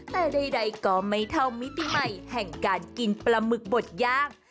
แต่ใดก็ไม่เท่ามิติใหม่แห่งการกินปลาหมึกบดย่าง